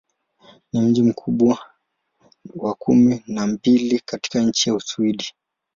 Ni mji mkubwa wa kumi na mbili katika nchi wa Uswidi.